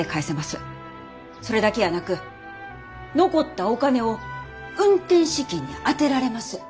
それだけやなく残ったお金を運転資金に充てられます。